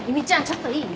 ちょっといい？